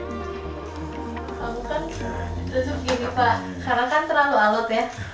kamu kan ditusuk gini pak sekarang kan terlalu alut ya